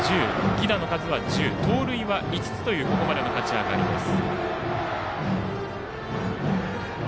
犠打の数は１０盗塁は５つというここまでの勝ち上がりです。